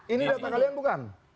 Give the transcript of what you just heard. ini data kalian bukan